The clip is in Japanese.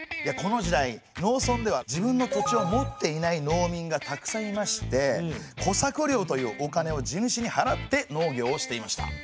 この時代農村では自分の土地を持っていない農民がたくさんいまして小作料というお金を地主に払って農業をしていました。